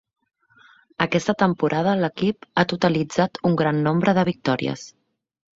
Aquesta temporada l'equip ha totalitzat un gran nombre de victòries.